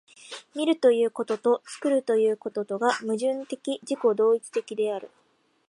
見るということと作るということとが矛盾的自己同一的である。